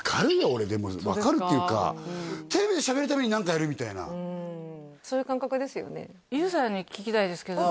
俺でも分かるっていうかテレビでしゃべるために何かやるみたいなうんそういう感覚ですよね